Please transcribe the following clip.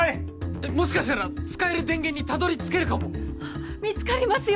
えっもしかしたら使える電源にたどり着けるかも見つかりますよ